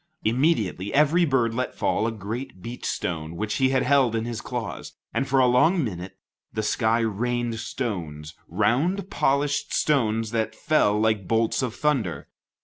Immediately every bird let fall a great beach stone which he held in his claws, and for a long minute, the sky rained stones, round, polished stones that fell like bolts of thunder.